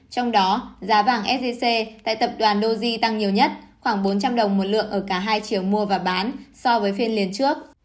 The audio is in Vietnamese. trong đó giá vàng sgc tại tập đoàn doge tăng nhiều nhất khoảng bốn trăm linh đồng một lượng ở cả hai triệu mua và bán so với phiên liền trước